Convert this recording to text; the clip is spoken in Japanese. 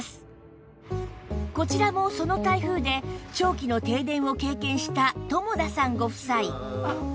こちらもその台風で長期の停電を経験した友田さんご夫妻